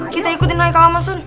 kita ikutin haikal sama sun